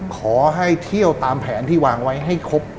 ขอให้เที่ยวตามแผนที่วางไว้ให้ครบ